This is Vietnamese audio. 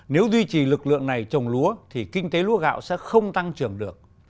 nếu duy trì lực lượng này trồng lúa thì kinh tế lúa gạo sẽ không tăng trưởng được